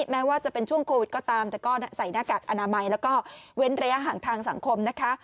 แม้ว่าจะเป็นช่วงโควิดก็ตามแต่ก็ใส่หน้ากากอนามัยแล้วก็เว้นระยะห่างทางสังคมนะคะ